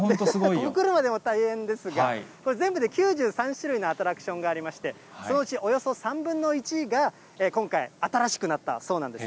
動くのも大変ですが、全部で９３種類のアトラクションがありまして、そのうちおよそ３分の１が今回、新しくなったそうなんです。